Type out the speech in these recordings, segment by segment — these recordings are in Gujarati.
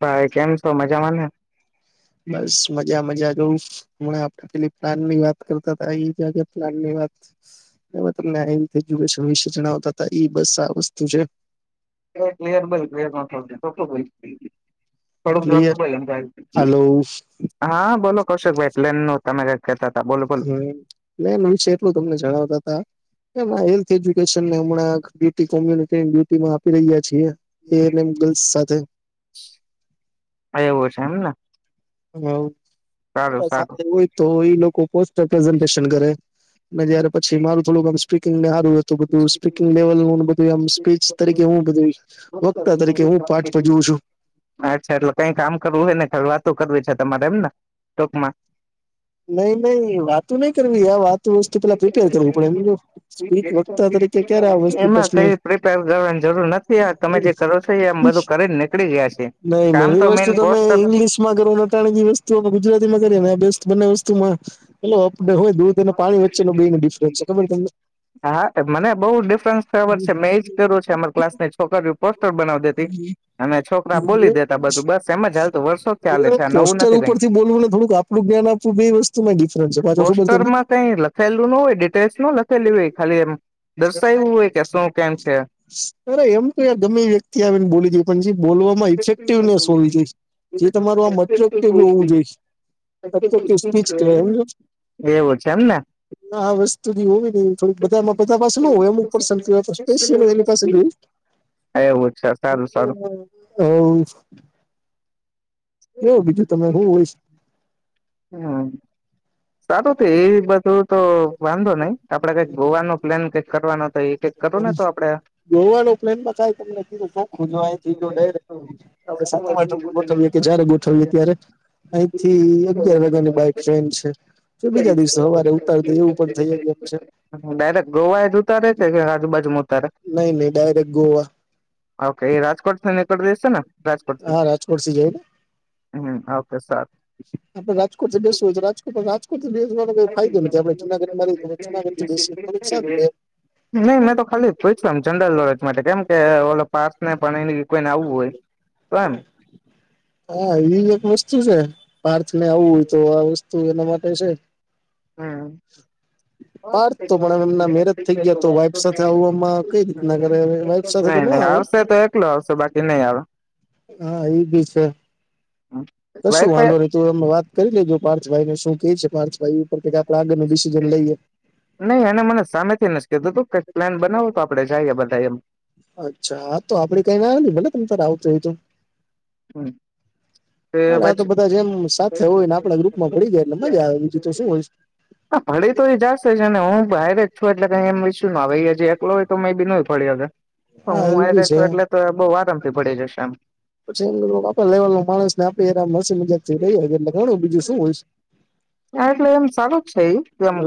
ભાઈ કેમ છો મજા મને બસ મજા મજા જોઉં હણા આપડે પેલી પ્લાન ની વાત કરતા હતા જ પ્લાન હ તમને આઈ એજ્યુકેશન વિશે જણાવતા હતા ઈ બસ આ વસ્તુ છે [unintelligible] થોડક [unintelligible] હા બોલો કશોક ભાઈ પ્લેન નુ તમે કઈ હમ્મ મે મનશે એટલું તમને જણાવતા હતા એ હેલ્થ એજ્યુકેશનને હમણાં બયુટી કોમ્યુનિટી બ્યુટીમાં આપી રહ્યા છીએ એનેમ ગલ્સ સાથે હ સાથે હોય તો એ લોકો પોસ્ટ પ્રેઝન્ટન કરેાર પછી મારું થોડુંકમ સ્પીકિંગ ને સારું એું બધું સ્પીકિંગ લેવલ બધમ સ્પીચ તરીકે હું બધું વક્તા તરીકે હું પાઠ ભજવું છું. અચ્છા એટલે કઈ કામ કરવું હોય ને ઘ વાતો કરવી છે તમારે એમને ટોકમાં નહી નહી વાતો નહી કર વાત વસ્તુ પેલા પ્રિપેર કરવું પડે એમ સ્પીચ વખતા તરીકે ક્યારે આ વસ્તુ પર્સનલ કરવાની જરૂર નથી તમે જે કરો છો એ આમ બધું કરી નીકળી ગયાી નઈ ન એવી વસ્તુ તમે ઈંગ્લિશ માં કરોનેટણેી વસ્તુમે ગુજરાતી માં કરીએ ને બે બંને વસ્તુમાં પ હોય દૂધ અને પાણી વચ્ચે ન બે ડિફરન્સ છે ખબર તમને હા મને બઉ ડિફરન્સ ફબર છે મેં એજ કર્યું છે અમાર ક્લાસ ની છોકરી ઉપર બનાવ દેતી. અને છોકરા બોલી દેતા બધું બસ એમ જ હાલત વર્ષો ચ્યાલે છે આ નવું નથી કાંઈ બે વસ્તુ મા એ ડિફ્રેંસ પાછો ખબર કઈ લખેલું ન હોય ડિટેલ્સ ન લખેલી હોય ખાલી એમ અરે એમ તો ગમે વ્યક્તિ આવીને બોલી દે પણ બોલવામાં ઇફેક્ટિવનેસ હોવી જોઈએ જે તમારું આમ અટ્રેક્ટિવ હોવું જોઈ એવું છે એમને. ના આ વસ્તુ હોવી નઈ થોડીક બધા માં પ પાસે ન હોય અમુક પર્શન કેવા સ્પેશ્યલ એની પાસે જ હોયે [unintelligible] કેવ બીજું તમે હું હોયશ હમ્મ. સારું થ એ બધું તો વાંધો નઈ આપડે કઈક ગોવાનો પ્લાન કઈક કરવાનો તો એ કઈક કરું ને તો આપડે ગોવા નુ પ્લેનમાં થાય તમને કીધું ચોખ્ખું અહીંથી ડાયરેક્ટ સાતમ આઠમ નું કોઠવીએ કે જારે ગોઠવીએ ત્યારે અહીંથી અગિયાર વાગ્યાની બાઈક ટ્રેન છે. [unintelligible] ડાયરેક ગોવા એ જોતા રે છે કે આજુ બાજુ તારે [inaudible] ઓકે રાજકોટ થઈને રહેશે ને [inaudible] રાજકોટ હમ્મ ઓકે સારુ આપડે રાજકોટ બેસું હોય છે રાજકોટ રાજકોટ બેવાનો કોઈ ફાયદો નથી આપડે જુનાગઢ મા જુનાગઢથી બેસી એ તો સારું રે એમ નહી મેં તો ખાલી પૂછ્યું એમ જનરલ નોલેજ માટે કેમ કે ઓલો પાસ ને પણ એ કોઈને આવવું હોય [inaudible] હા એવી એક વસ્તુ છે પાર્થ ને આવવું હોય તો આ વસ્તુ એના માટે છે. હમ્મ. પાર્થ તો પણ એમના મેરેજ થઈ ગ્યા તો વાઈફ સાથે આવવામાં કઈ રીત ના કરે વાઈફ સાથે તો નહિ આવશે તો એકલો આવશે બાકી નહી આવે હા એ બી છે. કશું વાંધો નહી તું વાત કરી લેજો પાર્થભાઈ ને શું કે છે પાર્થભાઈ ઓકે આપડે આગળનું ડિસીઝન લઈએ. નહી એને મને સામેથી નસ કીધું તું કઈક પ્લાન બનાવો તો આપડે જઈએ બધા એમ. અચ્છા હા તો આપડે કઈ ના નથી ભલે તમ તાર આવ હમ્મ. તે મજ [unintelligible] હા ભળી તો એ જાસે જ એને હું બારે છું એટલે કઈ એમ ઈ શું ના આવે ઈ હજી એકલો હોય તો મેંબી નઈ પડે હવે હ હું આરે છું એટલે તો બઉ આરામ થી પડી જશે એમ. આપડા લેવલ ના માણસ ને આપે મન મજાક થી રહી અકે છે એટલે બીજું શું હોય છે. હા એટલે એમ સારો છે ઈ એમ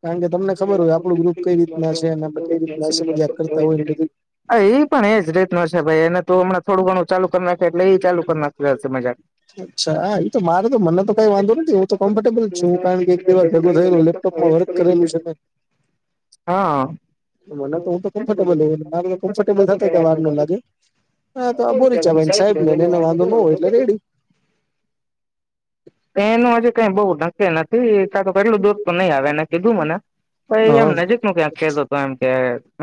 કારણ કે તમને ખબર હોય આપણું ગ્રુપ કઈ રીતના છે અને આપ કઈ રીતના હસી મજાક કરતા હોયને બધુ હ એ પણ એજ રીતનો છે ભાઈ એ તો હમણાં થોડું ઘણું ચાલુ કરી નાખે એટલે એ ચાલુ કર નાખ હસી મજાક. અચ્છા એ તો મારે તો મને તો કઈ વાંધો નથી હું તો કમ્ફર્ટેબલ છું કારણ કે એક બે વાર ભેગું થયે લેપટોપમાં વર્ક કરેલું છે મેં હા [inaudible] [unintelligible] [unintelligible] [inaudible] એનું આજે કઈ બઉ ઢકે નથી કા તો કેટલું દૂર તો નહી આવે એને કીધું મને. પર એ આમ નજીક નું ક્યાંક કેતો તો એમ કે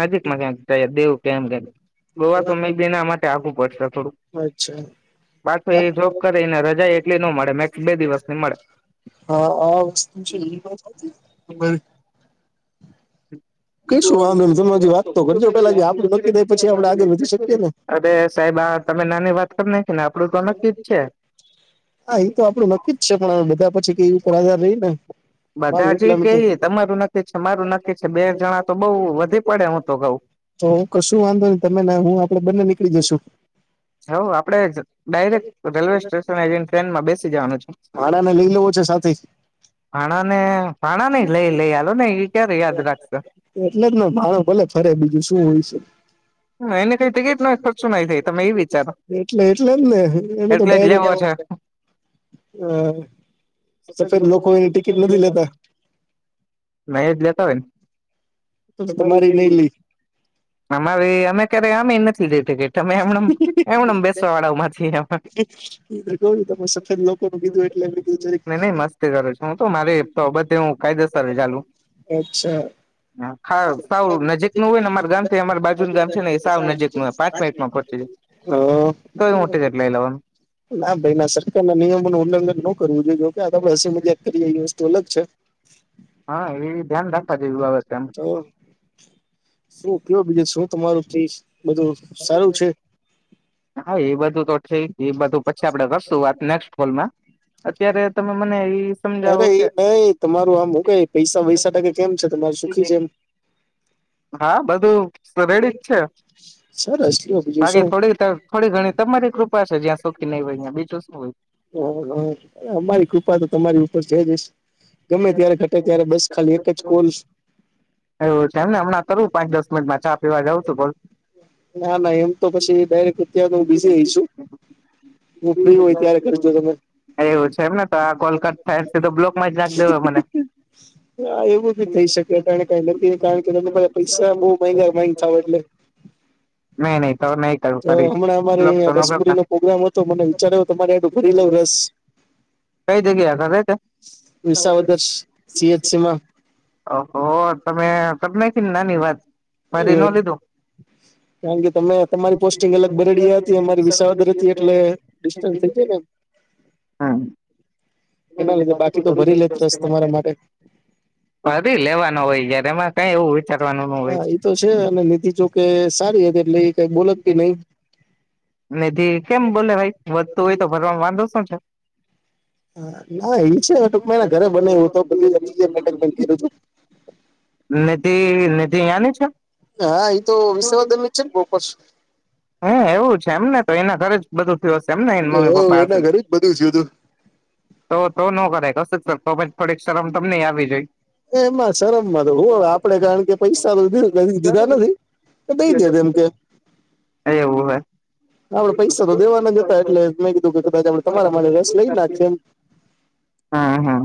નજીકમાં ક્યાંક દેવ કેમ કેક ગોવા તો મેં બેના માટે આઘુ પડશે થોડુંક. પાછ એ જોબ કરીને રજા એટલી નો મળે મેક્સ બે દિવસ હા આ વસ્તુ છે એ વસ્તુ સાચી છે તો પહી [inaudible] [inaudible] અબે સાહેબ આ તમે નાની વાત કર નાખી આપડું તો નકી જ છે. હા એ તો આપડું નક્કી જ છે પણ બધા પછી કેઈ ઉપર આધાર રહી ને. બધા જ કેઈ તમારું નક્કી છે મારું નક્કી છે બે તો બઉ વધી પડે હું તો કઉ. તમે ને હું આપડે બંને નીકળી જશુ. હવ આપડે ડાયરેક્ટ રેલવે સ્ટેશન એ જઈને ટ્રેનમાં બેસી જવાનું. ભાડાને લઈ લેવું છે સાથે ભાણા ને ભાણા ને લઈ લઈ એ હાલો ને ઈ ક્યારે યાદ રાખશે. એટલે જ ને ભાણો ભલે ફરે બીજું શું હોય છે. હમ્મ એને કઈ ટિકિટ નો એ કઈ ખર્ચો ના થાય તમે એ વિચારો. એટલે એટલે જ ને એને તો ડાયરેક્ટ એવો છે. [inaudible] અહ સફેદ લોકો એ ટિકિટ નથી લેતા. નઈ જ લેતા હોયને. હા. હવે અમે ક્યારે અમે નથી લીધ ટિકિટ તમે એમનેમ એમનમ બેસવા વાળાઓ માથે આપણ. નઈ નઈ મસ્તી કરૂ છું હું તો મારે તો બધ હું કાયદેસર ચાલુ. હા ખાવ સાવ નજીક નું હોય ને અમાર ગામથી અમાર બાજુ ગામ છે ને સાવ નજીક નું હે પાંચ મિનિટમાં પહોંચી જાય. તોય હું ટિકટ લઈ લઉ એમ. ના ભાઈ ના સરકાર ના નિયમો નું ઉલ્લઘન નો કરવું જોઈએ જોકે આ આપડે હસી મજાક કરીએે એ વસ્તુ અલગ છે. હા એવી ધ્યાન રાખવા જેવી બાબત ચો શું ઉપયોગ વી શું તમારું તીસ ઉસ સારું છે. હા એ બધું તો ઠીક એ બધું પછી આપડે કરશું વાત નેક્સ્ટ કોલમાં અત્યારે તમે મને એ સમજાવો કે [inaudible] હા બધું શું રેડી જ છે. બાકી થોડી તો થોડી ઘણી તમારી કૃપા છે જ્યાં સુખી નહી હોય બીજું શું હોય. હા હા અમારી કૃપા તો તમારી ઉપર છેજ. ગમે ત્યારે ઘટે ત્યારે બસ ખાલી એક જ કોલ એવું છે એમને હમણાં તરું પાંચ દસ મિનિટમાં ચા પીવા જઉં છું કોલ. ના ના એમ તો પછી ડાયરેક્ટ અત્યારે તો હું બીઝી રહી છું. એવું છે એમને તો આ કોલ કટ થાઈ શે તો બ્લોક ફરજાક લેવો મને. [inaudible] તો હમણાં અમારે અહીંયા રસપુરી નો પ્રોગ્રામ હતો મને વિચાર તમારે એડું ભરી લઉ ર ખસ કઈ જગ્યા રાખો છે ત્યાં? વિશાવદર્શ સી એચ સી માં. ઓહ હો તમે કર નાખી ને નાની વાત મારી ન લીધું? કારણ કે તમે તમારી પોસ્ટિંગ અલગ બરેડિયા હતી અમારી વિસાવદર હતી એટલે ડિસ્ટન્સ હતી ને? [inaudible] હા. હદી લેવાનું હોય જયાર એમાં હા એ તો છે અને નીધિ જો કે સારી હતી હતી એટલે કઈ બોલત બી નહી. નિધિ કેમ બોલે ભાઈ વધતું હોય તો ભરવાવામાં વાંધો શું છે? હા ના એ છે ને ટૂંકમાં ઘરે બના્યું તો બધી [inaudible] નિધિ નિધિ અહીંયા છે. હા એ તો વિષવા દીની છે ને બોપસ. હમ્મ એવું છે એમને તો એના ઘરે જ બધું તો સેમ ને એમને મમ્મી પપ્પા હશે. તો તો નો કરાએ કશું તો ફેક થોડી શરમ તમને આવી જાએ. એ એમાં શરમ માં તો હુંવે આપડે કારણ કે પૈસા તો કરી દીધા નથી. તો દઈ દે એમ કેઓ. એવું હે. આપણે પૈસા તો દેવાના જતા એટલે મેં કીધું કે કદાચ આપણે તમારા માટે રસ લઈ નાખીએ એમ. હા, હા.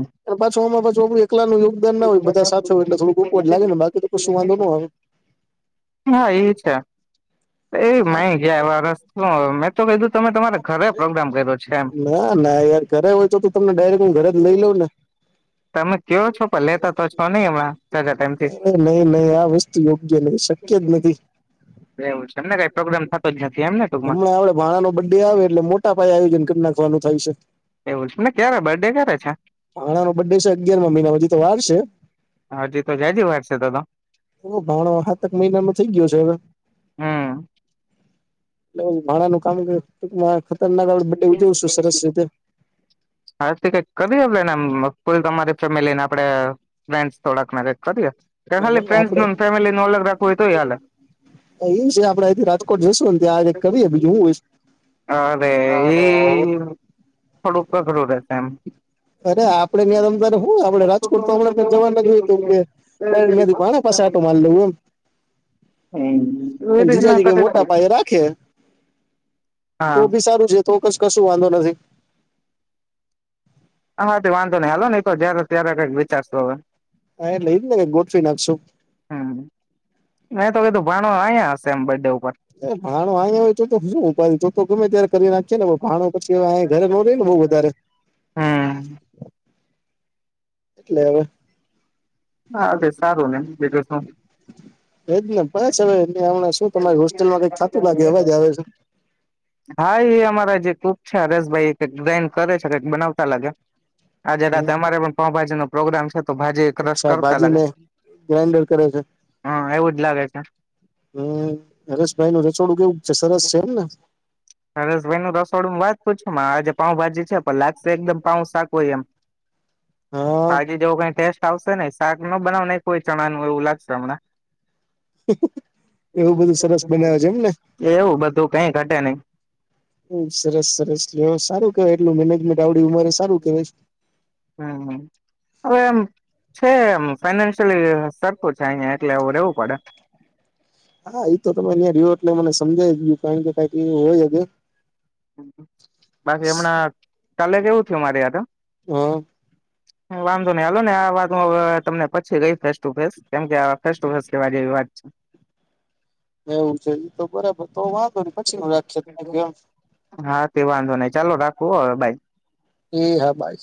એકલા નું યોગદાન ના હોય બધા સા હોય એટલે થોડુંકકોવા જ લાગે ને બાકી તો કશું વાંધો ના આવેય હા એ છે એ માય ગયા વારસ મેં તો કીધું તમે તમારે ઘરે પ્રોગ્રામ કર્યો છે એમ ઘરે જ લઈ લઉં ને તમે કેવો છો પણ લેતા તો છો નહી હમણા નહી નહી આ વસ્તુ યોગ્ય નહી શક્ય જ નથી હમણાંડે ભાણા નો બ ડે આવે એટલે મોટા પાયે આયોજન કરી નાખવાનું થાય છે હણા ન બ ડે છે અગિયાર મહિનાી તો વાર છે હ હજી તો જજ વારશે તો તો ઓ ભાણોાતક મહિનામાં થઈ ગયો છે હવે એટલે માડાનું કામ કર ખતરનાક આવે બે ઉજવશું સરસ રીતે હ કઈ કરીદી આપડે પરી તમારી ફેમિલીને આપડે ફન્ થોડાક ખાલી ફ્રે ફેમિલી ન અગ રાખવું હોય તો હલે અ આપણે અથી રાજકોટ જશું ને ત્યાં કરીએ બીજું હું હોય અરે એ થોડું અઘરું રહેેશે એમ અરે આપડે અર હું આપડે રાજકોટ તો હ જવા ના જોય તો કે મેથી ભને પાછ આટો મારી લેું એમ અને જીજા જ કઈ મોટા પાયે રાખે. તો બી સારું છે તો ક કશું વાંધો નથી. આમાંથી વાંધો નઈ હાલો નહી તો જયારે ત્યારે કંઈક વિચારશ હવે. હા એ લઈ જ ને ગોઠવી નાખશું. અયા સેબ ડે- - ભાણો અયા હોય તો શું ઉપ ચ તો ગમે ત્યારે કરી નાખે ને ભાણો પછી ઘરે ન રને- - વધારે- - હમ- - એટલે હવે- - હા સારું ને બે- - એજને પાસ- - હા એ અમારા જે ખ- - અચછા હસભાઈ ગન્ડ કરે છે બનાવતા લાગે આજે રાત અમારે પણ પાવભાજી- - પ્રોગ્રામ છે તો ભા ક્ર કરતા લ એવું- - એ લાાગે છે. હમ હરેશભાઈ નું રચોડું કેવું છે સરસ છે એમને. થોડું હું વાત પૂછું મા આજે પાઉ ભાજી છે પણ લાગશે એકદમ પાઉ શાક હોય એમ. પાજી જેવો કઈ ટેસ્ટ - - આવશે નહ શાક ન બનાવ ન કોઈ ચણાનું એવું લાગશે હમણાં. હ એવું બધું કઈ ઘટે નહી. સરસ સરસ સારું કેવાય એટલું મેનેજમેન્ટ આવડી ઉરે સારું કેવાય. હમ હ હવેમ- - છે એ ફાઈનાન્શિયલી સરખું છે અહીિયાંયા એટલે એું રેવું પડે. હા એ તો તમે અહં રહો એટલે મને સમજાય ગયું કારણ કે કઈક એવું હોય કે- - બાકી હમણાં કાલે કેવું થયું મારે આ તો વાંધો નહી હાલો ને આ વાત હુ તમને પછી ગઈ ફેસ ટુ ફેસ કેમ કે ફેસ ટુ ફેસ કેવા જેવી વાત છે. એવું છે એ તો બરાબર તો વાત- - હા તે વાંધો નહી ચાલો રાખવું હવે બાઇ. એ હા બાઇ.